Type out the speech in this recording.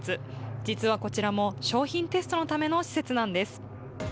実はこちらも商品テストのための施設なんです。